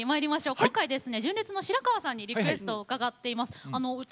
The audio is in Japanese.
今回、純烈の白川さんにもリクエストを伺いました。